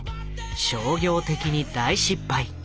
商業的に大失敗。